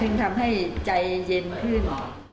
เพิ่งทำให้ใจเย็นขึ้น